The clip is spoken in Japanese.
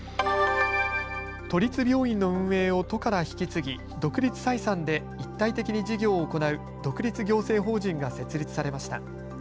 都立病院の運営を都から引き継ぎ独立採算で一体的に事業を行う独立行政法人が設立されました。